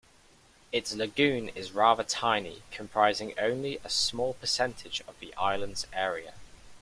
Its lagoon is rather tiny, comprising only a small percentage of the island's area.